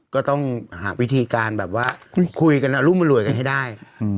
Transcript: ก็ต้องหาวิธีการแบบว่าคุยกันอรุมอร่วยกันให้ได้